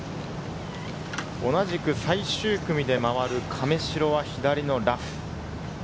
同じく最終組で回る亀代は左のラフ。